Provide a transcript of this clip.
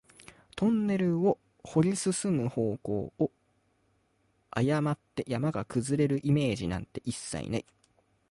トンネルを掘り進む方向を誤って、山が崩れるイメージなんて一切ない